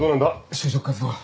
就職活動は。